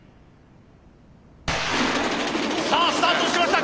さあスタートしました！